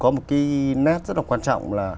có một cái nét rất là quan trọng là